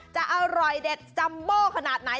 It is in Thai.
จะอร่อยเด็ดจัมโบขนาดไหน